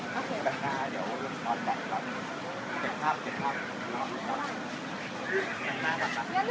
ขอบคุณค่ะ